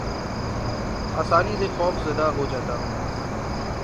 آسانی سے خوف زدہ ہو جاتا ہوں